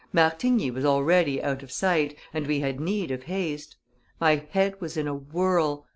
Martigny was already out of sight, and we had need of haste. My head was in a whirl.